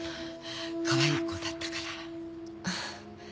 かわいい子だったから。